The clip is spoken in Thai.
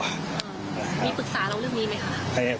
มีปรึกษาเราเรื่องนี้ไหมคะ